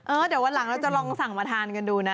เดี๋ยววันหลังเราจะลองสั่งมาทานกันดูนะ